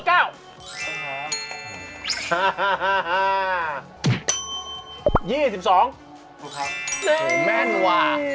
ฮ่าฮ่าฮ่า